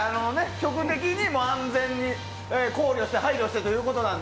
局的に安全に考慮して、配慮してということなので。